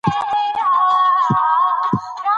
سپارښتنې یې څه داسې دي: